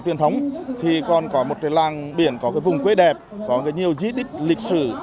truyền thống thì còn có một cái làng biển có cái vùng quê đẹp có nhiều di tích lịch sử